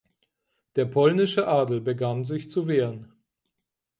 Der polnische Adel begann sich zu wehren.